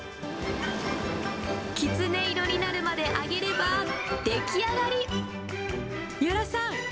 きつね色になるまで揚げれば出来上がり。